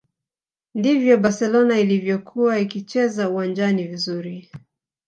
ndivyo barcelona ilivyokuwa ikicheza uwanjani vizuri